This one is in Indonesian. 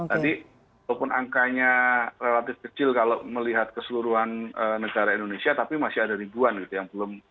tadi walaupun angkanya relatif kecil kalau melihat keseluruhan negara indonesia tapi masih ada ribuan gitu yang belum